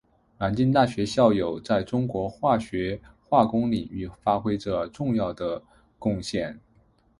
南京大学校友在中国化学化工领域发挥着重要的贡献。